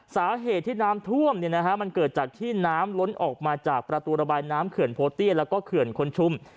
สาเหตุที่น้ำท่วมมันเกิดจากที่น้ำล้นออกมาจากประตูระบายน้ำเขื่อนโพเตี้ยแล้วก็เขื่อนคนชุม